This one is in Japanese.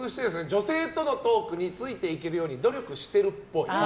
女性とのトークについていけるように努力してるっぽい。